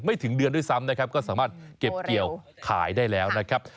ถึงเดือนด้วยซ้ำนะครับก็สามารถเก็บเกี่ยวขายได้แล้วนะครับ